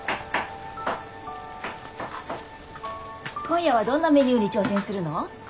今夜はどんなメニューに挑戦するの？